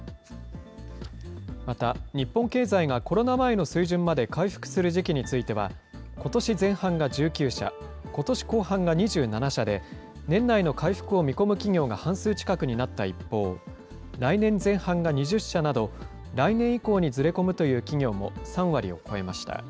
また、日本経済がコロナ前の水準まで回復する時期については、ことし前半が１９社、ことし後半が２７社で、年内の回復を見込む企業が半数近くになった一方、来年前半が２０社など、来年以降にずれ込むという企業も３割を超えました。